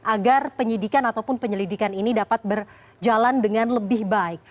agar penyidikan ataupun penyelidikan ini dapat berjalan dengan lebih baik